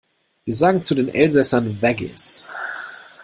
Wir sagen zu den Elsässern Waggis.